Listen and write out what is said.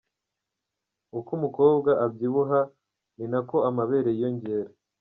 Uko umukobwa abyibuha ni na ko amabere yiyongera.